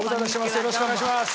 よろしくお願いします。